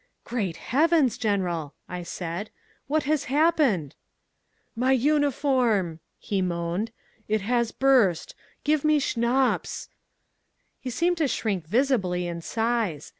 "Great Heavens! General," I said, "what has happened?" "My uniform!" he moaned, "it has burst! Give me Schnapps!" He seemed to shrink visibly in size.